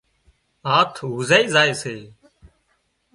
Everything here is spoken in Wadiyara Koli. هاٿ هُوزائي زائي سي